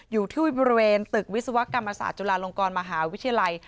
อยู่ที่บริเวณตึกวิศวกรรมศาสตร์จุฬาลงกรมหาวิทยาลัย